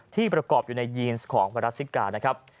ที่ประกอบอยู่ในยีนซ์ของไวรัสซิกา